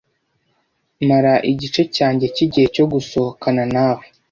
Mara igice cyanjye cyigihe cyo gusohokana nawe.